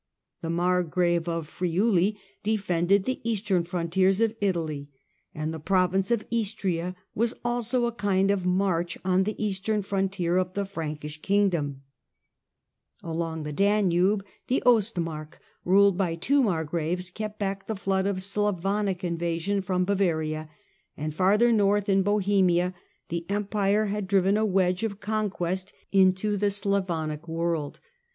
The Margrave of Friuli defended the eastern frontiers of Italy, and the province of Istria was also a kind of March on the eastern frontier of the Frankish kingdom. Along the Danube the Ostmark, ruled by two mar graves, kept back the flood of Slavonic invasion from Bavaria, and farther north, in Bohemia, the P^mpire had driven a wedge of conquest into the Eastern LAW AND ADMINISTRATION IN THE EMPIRE 187 Slavonic world.